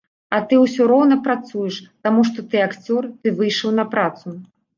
А ты ўсё роўна працуеш, таму што ты акцёр, ты выйшаў на працу.